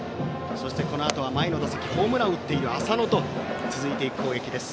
そして、このあとは前の打席ホームランを打っている浅野と続いていく攻撃です